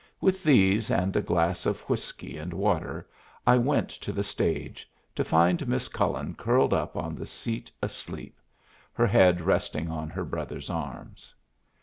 With these and a glass of whiskey and water I went to the stage, to find Miss Cullen curled up on the seat asleep, her head resting in her brother's arms.